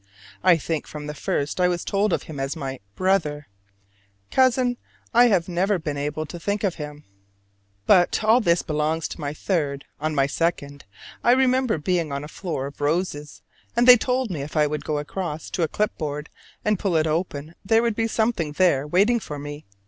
I think from the first I was told of him as my "brother": cousin I have never been able to think him. But all this belongs to my third: on my second, I remember being on a floor of roses; and they told me if I would go across to a clipboard and pull it open there would be something there waiting for me.